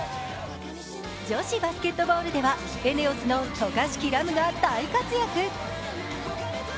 女子バスケットボールではＥＮＥＯＳの渡嘉敷来夢が大活躍。